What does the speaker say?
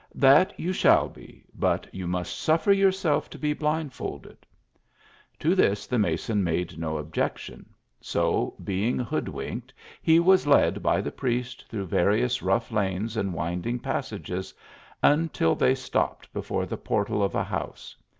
" That you shall be, but you must suffer yourself to be blindfolded." To this the mason made no objection ; so being hoodwinked, he was led by the priest through vari ous rough lanes and winding passages until they stopped before the portal of a house.